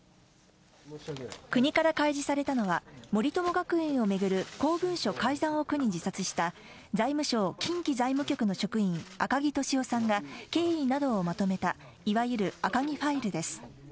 国から開示されたのは、森友学園を巡る公文書改ざんを苦に自殺した、財務省近畿財務局の職員、赤木俊夫さんが経緯などをまとめた、いわゆる赤木ファイル